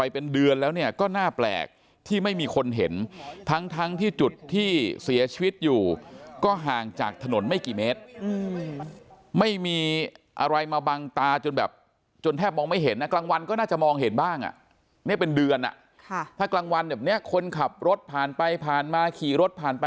เป็นเดือนแล้วก็น่าแปลกที่ไม่มีคนเห็นทั้งทั้งที่จุดที่เสียชีวิตอยู่ก็ห่างจากถนนไม่กี่เมตร